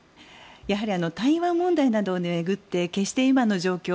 やはり台湾問題などを巡って決して今の状況